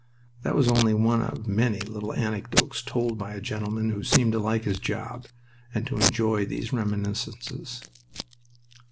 That was only one of many little anecdotes told by a gentleman who seemed to like his job and to enjoy these reminiscences.